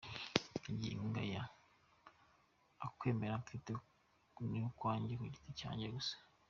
Magingo aya ukwemera mfite ni ukwanjye ku giti cyanjye gusa.